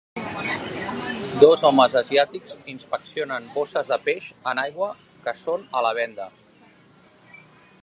Dos homes asiàtics inspeccionen bosses de peix en aigua que són a la venda.